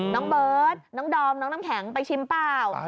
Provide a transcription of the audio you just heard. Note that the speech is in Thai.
น้องเบิร์ตน้องดอมน้องน้ำแข็งไปชิมเปล่า